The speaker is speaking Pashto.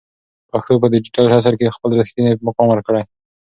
پښتو ته په ډیجیټل عصر کې خپل رښتینی مقام ورکړئ.